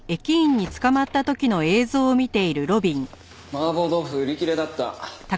麻婆豆腐売り切れだった。